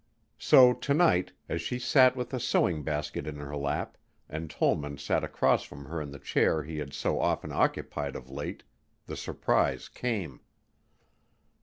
So to night, as she sat with a sewing basket in her lap and Tollman sat across from her in the chair he had so often occupied of late, the surprise came.